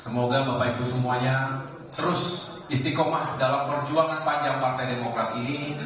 semoga bapak ibu semuanya terus istiqomah dalam perjuangan panjang partai demokrat ini